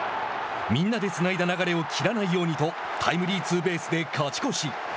「みんなでつないだ流れを切らないように」とタイムリーツーベースで勝ち越し。